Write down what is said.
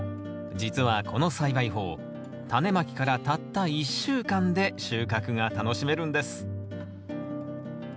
実はこの栽培法タネまきからたった１週間で収穫が楽しめるんです